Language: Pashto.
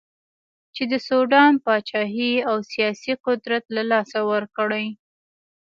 چې د سوډان پاچهي او سیاسي قدرت له لاسه ورکړي.